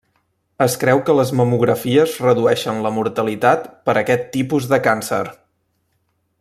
Es creu que les mamografies redueixen la mortalitat per aquest tipus de càncer.